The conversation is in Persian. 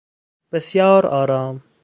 بسیار آرام